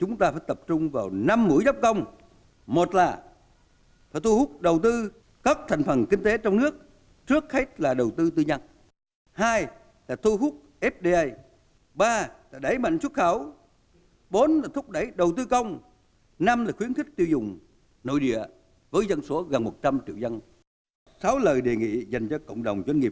đồng thời phải tập trung hơn nữa khởi động lại nền kinh tế